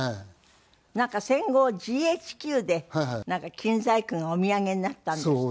なんか戦後ＧＨＱで金細工がお土産になったんですって？